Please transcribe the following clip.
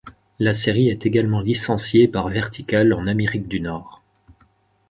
La série est également licenciée par Vertical en Amérique du Nord.